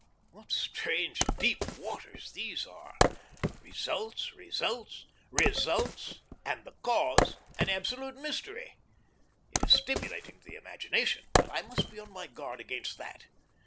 What strange, deep waters these are! Results, results, results and the cause an absolute mystery. It is stimulating to the imagination, but I must be on my guard against that.